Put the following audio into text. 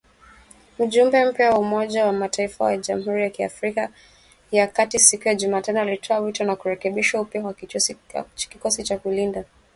Mjumbe mpya wa Umoja wa mataifa kwa Jamhuri ya Afrika ya kati siku ya Jumatano alitoa wito wa kurekebishwa upya kwa kikosi cha kulinda amani cha Umoja wa Mataifa.